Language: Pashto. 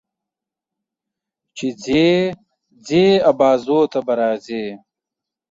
چې ځې، ځې ابازوی ته به راځې.